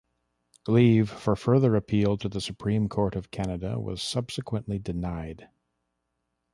Leave for further appeal to the Supreme Court of Canada was subsequently denied.